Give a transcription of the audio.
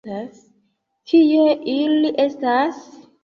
Kie ili estas?